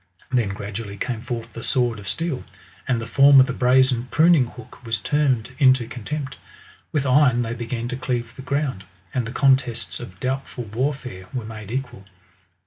Then gradu ally came forth the sword of steel, and the form of the brazen pruning hook was turned into contempt. With iron they began to cleave the ground, and the contests of doubtful war fare were made equal.